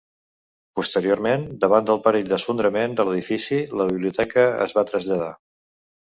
Posteriorment, davant del perill d'esfondrament de l'edifici, la biblioteca es va traslladar.